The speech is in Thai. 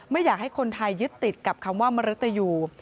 ไม่อยากให้คนไทยยึดติดกับคำว่ามริตยู